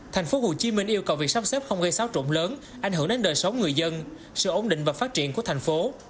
tp hcm yêu cầu việc sắp xếp không gây xáo trụng lớn ảnh hưởng đến đời sống người dân sự ổn định và phát triển của thành phố